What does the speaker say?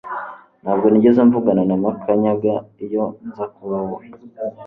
Ntabwo nigeze mvugana na Makanyaga iyo nza kuba wowe